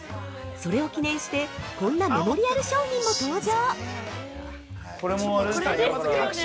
それを記念して、こんなメモリアル商品も登場。